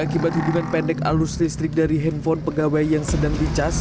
akibat hubungan pendek arus listrik dari handphone pegawai yang sedang dicas